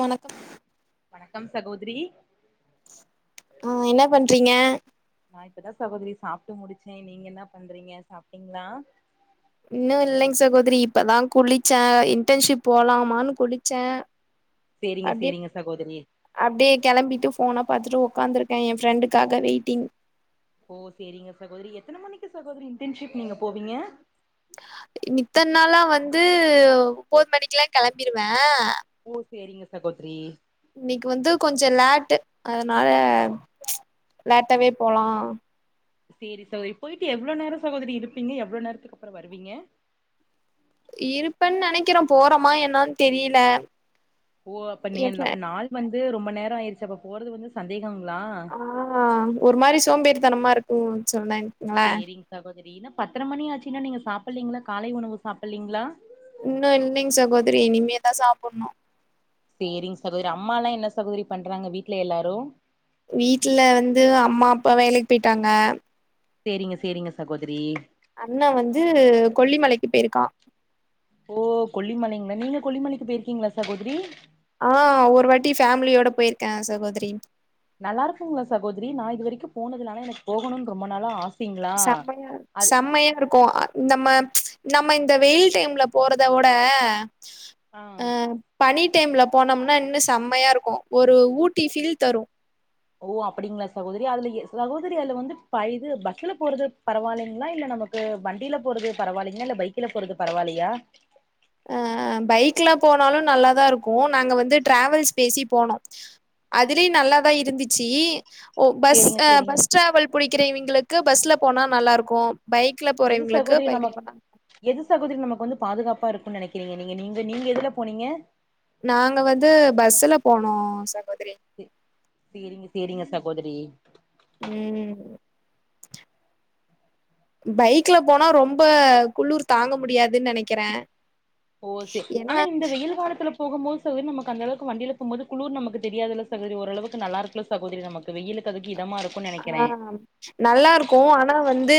வணக்கங் வணக்கம் சகோதிரி ஆ என்ன பண்றீங்க நா இப்பதா சகோதிரி சாப்டு முடிச்சே நீங்க என்ன பண்றீங்க சாப்டீங்ளா இன்னு இல்லைங் சகோதிரி இப்பதா குளிச்ச இன்டன்ஷிப் போலாமானு குளிச்செ செரிங்க செரிங்க சகோதிரி அப்டியே கெளம்பிட்டு ஃபோன பாத்துட்டு உக்காந்துருக்க ஏ ஃப்ரெண்டுக்காக வெய்ட்டிங் ஓ செரிங்க சகோதிரி எத்தன மணிக்கு சகோதிரி இன்டன்ஷிப் நீங்க போவீங்க மித்த நாள்ளா வந்து ஒம்பது மணிக்கெல்லா கெளம்பிருவே ஓ செரிங்க சகோதிரி இன்னைக்கு வந்து கொஞ்சோ லாட்டு அதனால லட்டாவே போலா செரி சகோதரி போயிட்டு எவ்ளொ நேரொ சகோதரி இருப்பீங்க எவ்ளொ நேரத்துக்கு அப்றொ வருவீங்க இருப்பேன் நெனைக்கிற போறோமா என்னா தெரியில்ல ஓ அப்ப நீ அப்ப நாள் வந்து ரொம்ப நேரொ ஆயிருச்சு அப்பாெ போறது வந்து சந்தேகங்ளா ஆ ஒரு மாரி சோம்பேறி தனமா இருக்கு சொன்னன் செரிங் சகோதிரி என்ன பத்தற மணி ஆச்சுன்னா நீங்க சாப்லீங்ளா காலை உணவு சாப்லீங்ளா இன்னு இல்லைங் சகோதிரி இனிமேதா சாப்பணு செரிங் சகோதரி அம்மா லா என்ன சகோதிரி பண்றாங்க வீட்ல எல்லாரு வீட்ல வந்து அம்மா அப்பா வேலைக்கு போயிட்டாங்க செரிங்க செரிங்க சகோதிரி அண்ண வந்து கொல்லிமலைக்கு போயிருக்கா ஓ கொல்லிமலைங்ளா நீங்க கொல்லிமலைக்கு போயிருக்கீங்ளா சகோதிரி ஆ ஒரு வாட்டி ஃபேமிலியோட போயிருக்க சகோதிரி நல்லா இருக்குங்களா சகோதிரி நா இது வரைக்கு போனதுல்ல ஆனா எனக்கு போகணுனு ரொம்ப நாளா ஆஸ் சம்மையா சம்மையா இருக்கு நம்ம நம்ம இந்த வெயில் டைம்ல போறத உட ஆ அ பனி டைம்ல போனோம்னா இன்னு சம்மையா இருக்கு ஒரு ஊட்டி ஃபீல் தரு ஓ அப்டிங்களா சகோதிரி அதுல எது சகோதரி அதுல வந்து பய பஸ்ல போறது பரவாயில்லைங்களா இல்ல நம்ம வண்டியில போறது பரவாயில்லைங்கா இல்ல பைக்ல போறது பரவாயில்லையா அ பைக்ல போனாலு நல்லாதா இருக்கு நாங்க வந்து ட்ராவல்ஸ் பேசி போனோ அதுலயு நல்லாதா இருந்துச்சி ஓ பஸ் சேரிங்க சேரிங்க பஸ் டிராவல் பிடிக்கிற இவிங்ளுக்கு பஸ்ல போனா நல்லா இருக்கு பைக் ல போற எது இவ்ங்ளுக்கு சகோதரி பைக்ல நமக் போலா எது சகோதிரி நமக்கு வந்து பாதுகாப்பா இருக்குனு நெனைக்கிறீங்க நீங்க நீங்க நீங்க எதுல போனீங்க நாங்க வந்து பஸ்ல போனோ சகோதிரி செ சேரிங்க சேரிங்க சகோதரி உம் பைக்ல போனா ரொம்ப குளூர் தாங்க முடியாதுன்னு நெனைக்கிறே ஓ சே ஏனா ஆனா இந்த வெயில் காலத்துல போகும்போது சதோரி நமக்கு அந்த அளவு வண்டிய போம்போது குளிர் நமக்கு தெரியாததுல சதோரி ஓரளவுக்கு நல்லா இருக்குல சகோதரி நமக்கு வெயிலுக்கு அதுக்கு இதமா இருக்கு ஆ நல்லா இருக்கு ஆனா வந்து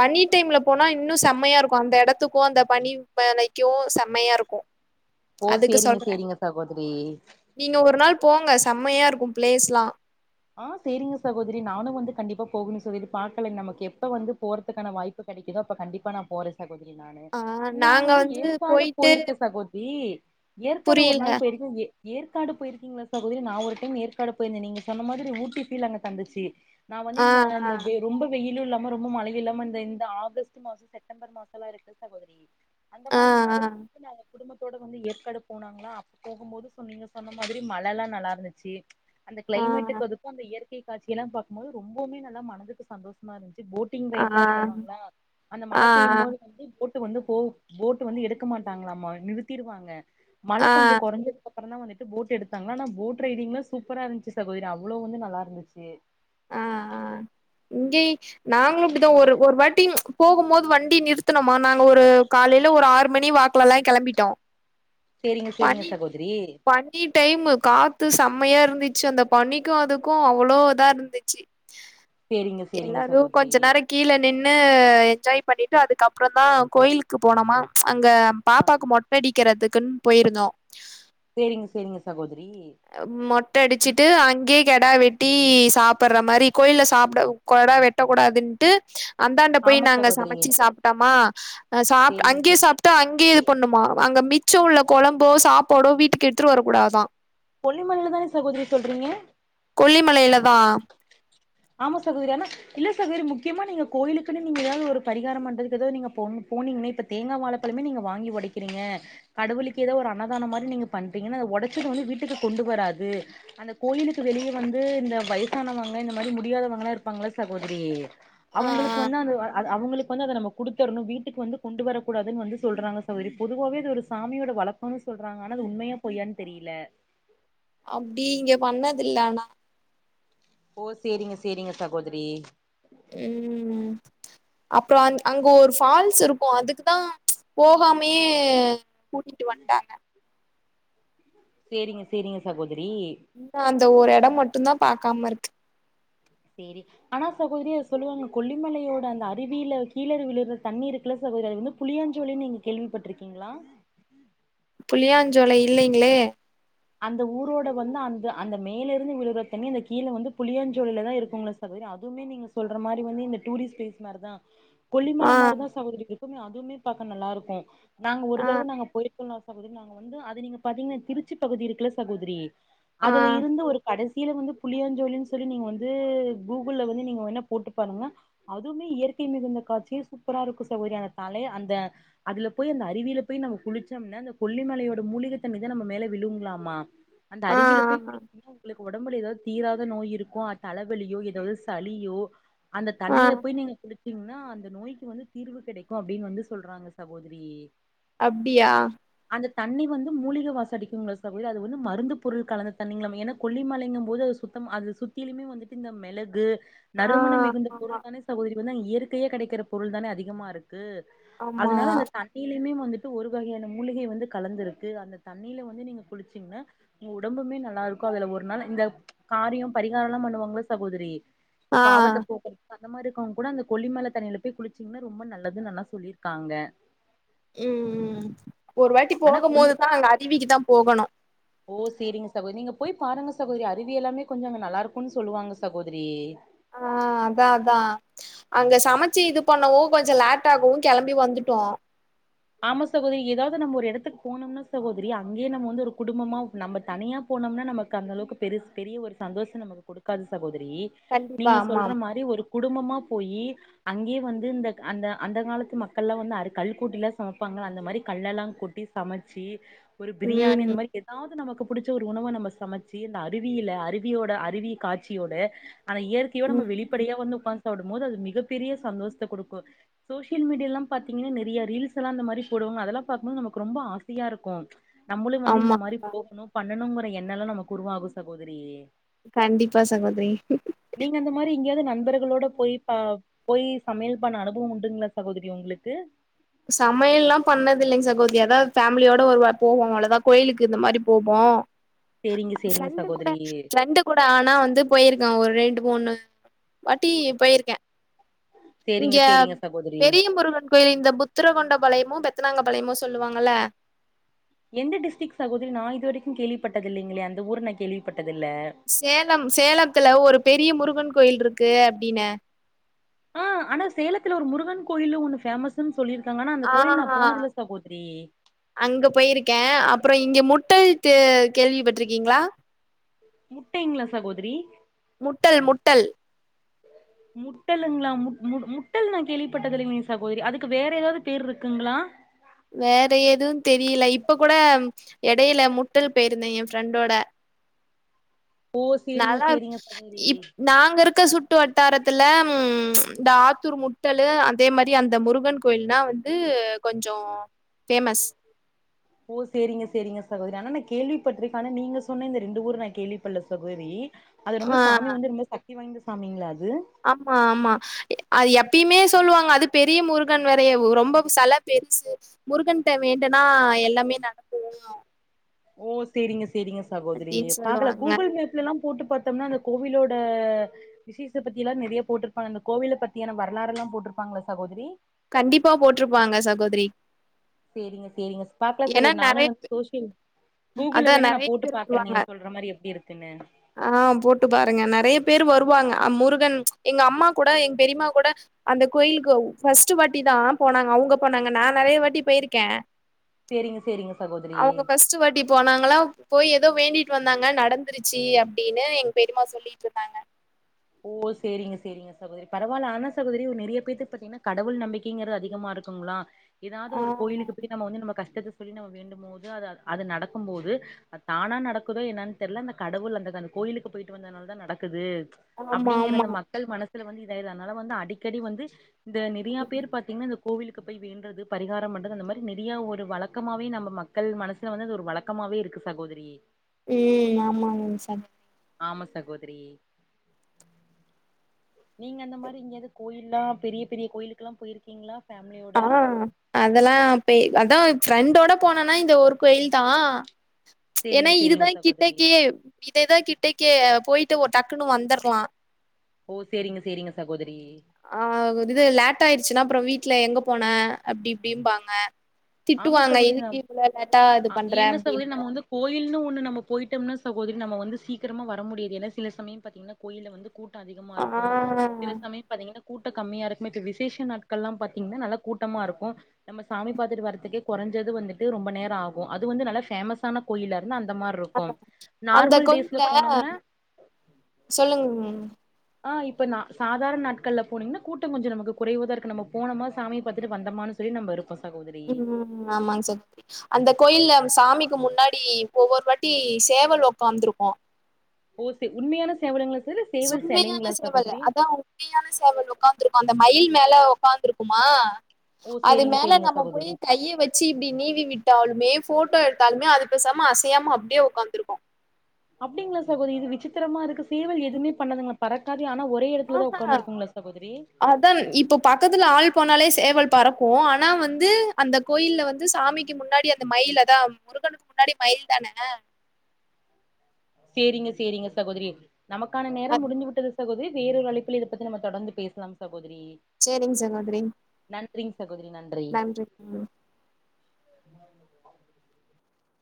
பனி டைம்ல போனா இன்னு செம்மையா இருக்கு அந்த எடத்துக்கு அந்த பனி மலைக்கு செம்மையா இருக்கு ஓ அதுக்கு செரிங்க சொல்றே செரிங்க சகோதரி நீங்க ஒரு நாள் போங்க செம்மையா இருக்கு பிளேஸ்லா ஆ செரிங்க சகோதரி நானு வந்து கண்டிப்பா போகணு சகோதரி பாகல நமக்கு எப்ப வந்து போறதுக்கான வாய் ப்பு கெடைக்குதோ அப்ப கண்டிப்பா நா போற ஆ நா நாங்க வந்து ஏற்காடு போயிட்டு போயிருக்கே சகோதரி ஏற்காடு ஒரு புரியல நாள் போயிருக்க ஏ ஏற்காடு போயிருக்கீங்ளா சகோதரி நான் ஒரு டைம் ஏற்காடு போயிருதே நீங்க சொன்ன மாதிரி ஊட்டி ஃபீல் அங்க தந்துச்சு நான் வந்து ஆ இந்த இந்த வெ ரொம்ப வெயிலு இல்லா ம ரொம்ப மழயு இல்லாம இந்த இந்த ஆகஸ்ட் மாச செப்டம்பர் மாசல்லா இருக்குல சகோதரி அந்த ஆ ஆ மாரி [inaudible] குடும்பத்தோட வந்து ஏற்காடு போனாங்ளா அப்போ போகும் போது சொன்ன நீங்க சொன்ன மாதிரி மழ எல்லா நல்லா இருந்துச்சி ஆ கிளைமேட்டுக்கு அதுக்கு அந்த இயற்கை காட்சி எல்லா பாக்கும்போது ரொம்பவுமே நல்லா மனதுக்கு சந்தோஷமா இருந்துச்சி போட் ஆ டிங்ளா ஆ போனாங்களா அந்த ஆ மழை பெய்யும் போது வந்து போட் டு வந்து போவு போட்டு வந்து எடுக்க மாட்டாங்களாமா நிறுத்திடுவாங்க மழ ஆ கொஞ்சம் கொறைஞ்ச அப்பறமதா வந்துட்டு போட் எடுத்தாங்ளா ஆனா போட் ரைடிங்லா சூப்பரா இருந்துச்சி சாகோதரி அவ்ளோ வந்து நல்லா இருந்துச்சு [unintelligible] இங்கீஷ் நாங்களு இப்டிதாக் ஒரு ஒரு வாட்டிங் போகும்போது வண்டி நிறுத்தணமா நாங்க ஒரு காலையில ஒரு ஆறு மணி வாக் குலலாய் கிளம்பிட்டோ சேரிங்க சேரிங்க பனி சகோதரி ப னி டைம் காத்து செம்மையா இருந்துச்சு அந்த பனிக்கு அதுக்கு அவ்ளோ இதா இரு ந்திச்சி சேரிங்க சேரிங்க எல்லாரு சகோதரி கொஞ்சோ நேர கீழ நின்னு என்ஜாய் பண்ணிட்டு அதுக்கு அப்பறதா கோயிலுக்கு போனமா அங்க ஆ பாப்பாவுக்கு மொட்டடிக்கிறதுக்குன் போயிருந்தோ சேரிங்க சேரிங்க சகோதரி மொட்ட அடிச்சிட்டு அங்கே கெடா வெட்டி சாப்பற மாரி கோயில்ல சாப்ட கொடா வெட்ட கூடாதுன்ட்டு அந்தாண்ட போய் ஆமா நாங்க சகோதரி சமச்சு சாப்ட்டமா சாப் சேரிங்க அங்கே சேரி சாப் டு அங்கே இது பண்ணுமா அங்க மிச்ச உள்ள கொழம்போ சாப்பாடோ வீட்டுக்கு எடுத்துட்டு வரக்கூடாதுதா கொல்லிமலைல தானே சகோதரி சொல்றீங்க கொல்லிமலையில தா ஆமா சகோதரி ஆனா இல்ல சகோதரி முக்கியமா நீங்க கோயிலுக்குன்னு நீங்க எதாவது ஒரு பரிகார பண்றதுக்கு எதாவது நீங்க போணோ போனீங்கன்னே இப்ப தேங்கா வாழபழமே நீங்க வாங்கி ஒடைக்கிறீங்க கடவுளுக்கு எதோ ஒரு அன்னதான மாரி நீங்க பண்றீங்கன்னா அ ஒடச்சது வந்து வீட்டுக்கு கொண்டு வராது அந்த கோயிலுக்கு வெளியே வந்து இந்த வயசானவங்க இந்த மாரி முடியாதவங்கல்லா இருப்பாங்களா சகோதரி ஆ அவங்களுக்கு ஆ வந்து அந்த அ அத அவங்களுக்கு வந்து அத நம்ம குடுத்தரணு வீட்டுக்கு வந்து கொண்டு வரக்கூடாதுன் வந்து சொல்றாங்க சகோதரி பொதுவாவே இது ஒரு சாமியோட வழக்கனு சொல்றாங்க ஆனா அது உண்மையா பொய்யான் தெரியல அப்டி இங்க பண்ணதில்ல ஆனா ஓ சேரிங்க சேரிங்க சகோதரி ம் அப்றோ அந் அங்க ஒரு ஃபால்ஸ் இருக்கு அதுக்குதா போகாமயே கூட்டிட்டு வன்டாங்க சேரிங்க சேரிங்க சகோதிரி இன்னு அந்த ஒரு எடம் மட்டுந்தா பாக்காம இருக்கு சேரி ஆனா சகோதரி அது சொல்லுவாங்க கொல்லிமலையோட அந்த அருவில கீழருவில விற தண்ணி இருக்குல சகோதரி அது வந்துப் புளியாஞ்சோலின் நீங்க கேள்விப்பட்டிருக்கீங்ளா புளியாஞ்சோலை இல்லைங்ளே அந்த ஊரோட வந்து அந்த அந்த மேல இருந்து விழுறத் தண்ணி அந்தக் கீழ வந்து புளியாஞ்சோழிலதா இருக்குங்ளச் சகோதரி அதுமே நீங்க சொல்ற மாரி வந்து இந்த டூரிஸ்ட் பிளேஸ் மாரிதா கொல்லிமல ஆ மாரிதா சகோதரி இருக்கும்மே அதுமே பாக்க நல்லாருக்கு நாங்க ஒரு ஆ தரவ நாங்க போயிட் சொல்னா சகோதிரி நாங்க வந்து அது நீங்க பாத்தீங்னா திருச்சி பகுதி இருக்குல சகோதிரி ஆ அதுல இருந்து ஒரு கடசில வந்துப் புளியாஞ்ஜோலின் சொல்லி நீங்க வந்து கூகுள்ல வந்து நீங்க வேணாப் போட்டுப் பானுங்க அதுவுமே இயற்கை மிகுதுந்தக் காட்சியு சூப்பரா இருக்கு சகோதரி அந்த தலைய அந்த அதுலப் போயி அந்த அருவில போய் நம குளிச்சோம்ன அந்த கொல்லிமலையோட மூலிகத் தண்ணிதா நம்ம மேல விழுங்ளாமா அந்த ஆ அருவிலப் போய் குளி ஆ [unintelligible] ங்ளுக்கு ஒடம்புல எதாவ்த் தீராத நோய் இருக்கு அத் தலைவெலியோ எதாவ்து சளியோ அந்தத் ஆ தண்ணில போய் நீங்க குளிச் சிம்னா அந்த நோய்க்கு வந்துத் தீர்வு கெடைக்கு அப்டின் வந்து சொல்றாங்க சகோதிரி அப்டியா அந்தத் தண்ணி வந்து மூலிக வாசடிக் துங்ளா சகோதரி அது வந்து மருந்துப் பொருள் கலந்த தண்ணிங்லாமே எனாக் கொல்லிமலைங்கம்போது அது சுத்தம் அது சுத் த்திலுமே வந்துட்டு இந்த மெளகு ஆ நறுமணம் மிகுந்தப் ஆமா பொருள்தானே சகோதரி வந்து அங்க இயற்கையே கெடைக்கிறப் பொருள்தானே அதிகமாருக் கு ஆமா அதனால அந்தத் தண் ணிலியுமே வந்துட்டு ஒரு வகையான மூலிகை வந்து கலந்துருக்கு அந்தத் தண்ணில வந்து நீங்க குளிச்சிங்னா உங்க உடம்புமே நல்லாருக்கு அதுல ஒரு நாள் இந்த காரியம் பரிகாரல்லாம் பண்ணுவாங்ளே சகோதரி இதப் ஆ பாவத்தப் போக்கறக் சந்த மாரி இருக்கவுங் கூட அந்தக் கொல்லிமலத் தண்ணில போய் குளிச்சிங்னா ரொம்ப நல்லதுன்னல்லா சொல்லிருக்காங்க ம் ஒரு வாட்டி ஆனா கொல்லி போகும்போதுதா அங்க அருவிகிதாம் போகணு ஓ சேரிங்க சகோதரி நீங்கப் போய்ப் பாருங்க சகோதரி அருவி எல்லாமே கொஞ்ச அங்க நல்லாருக்குன் சொல்லுவாங்க சகோதிரி ஆ அதா அதா அங்க சமச்சி இதுப் பண்ணவு கொஞ்சோ லேட்டாகவு கெளம்பி வந்துட்டோ ஆமா சகோதரி எதாவது நம்ம ஒரு எடத்துக்கு போனம்னா சகோதிரி அங்கியே நம்ம வந்து ஒருக் குடும்பமா நம்ம தனியாப் போனம்னா நமக்கு அந்தளவுக்கு பெருச் பெரிய ஒரு சந்தோஷம் நமக்கு குடுக்காது சகோதரி கண்டிப்பா நீங்க ஆமா சொல்ற ஆமா மாரி ஒருக் குடும்பமா போயி அங்கியே வந்து இந்தக் அந்த அந்த காலத்து மக்கள்லா வந்து அருக் கல்லு கூட்டிலாச் சமைப்பாங்கல அந்த மாரிக் கல்லெல்லாங் கூட்டி சமச்சி ஒரு பிரியாணி அந்த ம் மாரி எத் தாவுது நமக்குப் புடிச்ச ஒரு உணவ நம்ம சமச்சி இந்த அருவியில அருவியோட அருவியக் காச்சியோட ஆன இயற்கையோ நம்ம ம் வெளிப்படையா வந்து உக்காந்து சாப்டும்மோது அது மிகப்பெரிய சந்தோஷ்த்த குடுக்கு சோசியல் மீடியாலாம் பாத்தீங்கினா நெறியா ரீல்ஸ் செலா அந்த மாரிப் போடுவாங்க அதெலாப் பாக்கும்மோது நமக்கு ரொம்ப ஆசையாருக்கு நம்முளு வந்து இந்த ஆமா ஆமா மாரிப் போகுணு பண்ணணுங்கிற எண்ணலா நமக்கு உருவாகு சகோதிரி கண்டிப்பா சகோதிரி நீங்க அந்த மாரி எங்கியாவது நண்பர்களோடப் போயிப் பா போயி சமையல் பண்ண அனுபவம் உண்டுங்ளா சகோதிரி உங்ளுக்கு சமையல்லா பண்ணது இல்லைங்க சகோதரி ஏதா ஃபேமிலியோட ஒரு வா போவோ அவ்ளதா கோயிலுக்கு இந்த மாரி போவோ சேரிங்க சேரிங்க ப்ரெண்டு கூட சகோதரி ப்ரெண்டு கூட ஆனா வந்து போயிருக்கே ஒரு ரெண்டு மூணு வாட்டி போயிருக்கே சேரிங்க இங்க சேரிங்க சகோதரி பெரிய முருகன் கோயிலு இந்த புத்தர கொண்ட பளையமு பெத்தனாங்க பளையமு சொல்லுவாங்கல்ல எந்த டிஸ்ட்ரிக் சகோதரி நா இதுவரைக்கு கேள்விபட்டது இல்லைங்களே அந்த ஊரு நா கேள்விப்பட்டதில்ல சேலம் சேலத்துல ஒரு பெரிய முருகன் கோயில் ருக்கு அப்டினு ஆ ஆனா சேலத்துல ஒரு முருகன் கோயிலு ஒண்ணு பேமஸ் ஸுன் சொல்லிருக்காங்க ஆனா அந்த ஆ கோயில் நா போனதுல்ல சகோதரி அங்க போயிருக்கே அப்பறம் இங்க முட்டல்து கேள்விப்பட்ருக்கீங்களா முட்டைங்களா சகோதரி முட்டல் முட்டல் [unintelligible] முட்டலுங்களா முட் முடு முட்டல் நா கேள்விப்பட்டது இல்லைங்களே சகோதரி அதுக்கு வேற ஏதாவது பேர் இருக்குங்ளா வேற எதுவு தெரியல இப்ப கூட எடையில முட்டல் போயிருந்தே என் ஃப்ரெண்டோட ஓ சேரிங்க நல்லாருக் சேரிங்க சகோதரி இப் நாங்க இருக்க சுட்டு வட்டாரத்துல ம் இந்த ஆத்தூர் முட்டலு அதே மாறி அந்த முருகன் கோயில்னா வந்து கொஞ்சோ ஃபேமஸ் ஓ சேரிங்க சேரிங்க சகோதரி ஆனா நா கேள்விப்பட்டிருக்கே ஆனா நீங்க சொன்ன இந்த ரெண்டு ஊர் நா கேள்வி படல சகோதரி அது ரொம்ப ஆ சாமி வந்து ரொம்ப சக்தி வாய்ந்த சாமிங்களா அது ஆம்மா ஆம்மா அது எப்பயுமே சொல்லுவாங்க அது பெரிய முருகன் வேறைய ரொம்ப செல பெருசு முருகன்ட்ட வேண்டுனா எல்லாமே நடக்குதுன்னுவாங் ஓ சேரிங்க சேரிங்க சகோதரி நடக்கும்டின்னு பாக்கல சொல்லுவாங்க. கூகுள் மேப் இதெல்லாம் போட்டு பாத்தம்னா அந்த கோவிலோட விசேஷ பத்தியெல்லா நெறைய போட்ருப்பாங்க அந்த கோவில பத்தியான வரலாறு எல்லா போட்டிருப்பாங்களா சகோதரி கண்டிப்பா போட்ருப்பாங்க சகோதரி சேரிங்க சேரிங்க பாக்லா ஏன்னா சகோதரி நானு நெறைய பே வந்து சோசியல் கூகுள்ல அதா வேணா நா நெறைய போட்டு பேர் பாக்குறே வருவாங்க. நீ சொல்ற மாறி எப்டி இருக்குன்னு ஆ போட்டு பாருங்க நெறைய பேர் வருவாங்க அ முருகன் எங்க அம்மா கூட எங்க பெரியம்மா கூட அந்த கோயிலுக்கு ஃபர்ஸ்ட் வாட்டி தா போனாங்க அவங்க போனாங்க நா நெறைய வாட்டி போயிருக்கே சேரிங்க சேரிங்க சகோதரி ஃபஸ்டு வாட்டி போனாங்களா போய் ஏதோ வேண்டிட்டு வந்தாங்க நடந்துருச்சு அப்டின்னு எங் பெரிமா சொல்லி ட்டுருதாங்க ஓ சேரிங்க சேரிங்க சகோதரி பரவாயில்ல ஆனா சகோதரி ஒரு நெறைய பேத்துக்கு பாத்தீங்கன்னா கடவுள் நம்பிக்கைங்கிறது அதிகமா இருக் குங்களா ஏதாவது ஆ ஒரு கோயிலுக்கு போய் நம்ம வந்து நம்ம கஷ்டத்த சொல்லி நம்ம வேண்டும் போது அது அது நடக்கும் போது அது தானா நடக்குதோ என்னன்னு தெர்ல அந்த கடவுள் அந்த அந்த கோயிலுக்கு போயிட்டு வந்தனால தா நடக்குது ஆமா அப்டிங்கிற ஆமா அந்த மக்கள் மனசுல வந்து இதாயிது அதனால வந்து அடிக்கடி வந்து இந்த நிறைய பேர் பாத்தீங்கன்னா இந்த கோவிலுக்கு போய் வேன்றது பரிகாரம் பண்றது அந்த மாறிஜ நெறையா ஒரு வழக்கமாவே நம்ம மக்கள் மனசு ல வந்து ஒரு வழக்கமாவே இருக்கு சகோதரி ம் ஆமாங்க சார் ஆமா சகோதரி நீங்க அந்த மாறி எங்கியாவது கோயில்லா பெரிய பெரிய கோயிலுகெல்லா போயிருக்கீங்ளா ஃபேமிலியோட அதல்லா பேய் அதா ஃப்ரெண்டோட போனேனா இந்த ஒரு கோயில் தா ஏன்னா சேரிங்க சேரிங்க இதுதா சகோதரி கிட்டக்கெயே இதேதா கிட்டக்கே போயிட்டு ஒரு டக்குன்னு வந்தர்லா ஓ சேரிங்க சேரிங்க சகோதரி ஆ இது லேட் ஆயிர்ச்சுன்னா அப்பறொ வீட்ல எங்க போன அப்டி இப்டிம்பாங்க ஆமா திட்டுவாங்க சகோதரி இதுக்கு நம் இவ்ளோ லேட்டா இது அ பண்ற என்ன சகோதரி அப்டின்ட்டு நம்ம வந்து கோயில்னு ஒன்னு நம்ம போயிட்டொம்னா சகோதரி நம்ம வந்து சீக்கரமா வர முடியாது ஏன்னா சில சமயம் பாத்திங்கன்னா கோயில்ல வந்து கூட்டொ அதிகமா ஆ இருக்கு சில சமயொ பாத்திங்கன்னா கூட்டொ கம்மியா இருக்கு இப்ப விசேஷ நாட்கள்லா பாத்திங்கன்னா நல்லா கூட்டமா இருக்கு நம்ம சாமி பாத்துட்டு வர்றதுக்கே கொறஞ்சது வந்துட்டு ரொம்ப நேரொ ஆகு அது வந்து நல்லா ஃபேமஸான கோயில ன்னா அந்த மாரி இருக்கு அந்த நார்மல் டேஸ்ல போனோம்னா சொல்லுங் ஆ இப்போ நா சாதாரண நாட்கள்ல போனிங்ன்னா கூட்டொ கொஞ்சொ நமக்கு குறைவதா இருக்கு நம்ம போனமா சாமி பாத்துட்டு வந்தோமான்னு சொல்லி நம்ம இருப்போ சகோதரி ம் ஆமாங்க சகோதரி அந்த கோயில்ல சாமிக்கு முன்னாடி ஒவ்வொரு வாட்டி சேவல் ஒக்காந்துருக்கு ஓ சே உண்மையான சேவலங்களா [unintelligible] இல்ல சேவல் செலைங்ளா உண்மையான சேவல் சாகோதரி அதா உண்மையான சேவல் ஒக்காந்துருக்கு அந்த மயில் மேல ஒக்காந்துருக்குமா ஓ அது சேரிங்க மேல சேரிங்க நம்ம போய் சகோதரி கைய வச் சு இப்டி நீவி விட்டாலுமே ஃபோட்டோ எடுத்தாலுமே அது பேசாம அசையாம அப்டியே ஒக்காந்துருக்கு அப்டிங்ளா சகோதரி இது விசித்திரமா இருக்கு சேவல் எதுமே பண்ணதுங்கலா பறக்காது ஆனா ஒரே எடத்துலதா ஒட்காந்துருக்குங்ளா சகோதரி இதான் இப்பொ பக்கத்துல ஆள் போனாலே சேவல் பறக்கு ஆனா வந்து அந்த கோயில்ல வந்து சாமிக்கு முன்னாடி அந்த மயில் அதா முருகனுக்கு முன்னாடி மயில் தானே சேரிங்க சேரிங்க சகோதரி நமக்கான அ நேரம் முடுஞ்சு விட்டது சகோதிரி வேற ஒரு அழைப்புல இத பத்தி நம்ம தொடர்ந்து பேசலா சகோதரி சேரிங்க சகோதரி நன்றிங் சகோதரி நன்றி ம்